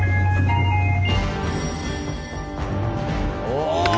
お！